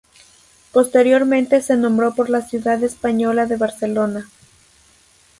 Posteriormente se nombró por la ciudad española de Barcelona.